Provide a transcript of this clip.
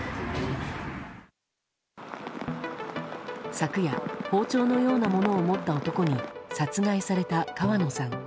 昨夜、包丁のようなものを持った男に殺害された川野さん。